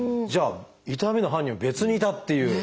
痛みの犯人は別にいたっていう。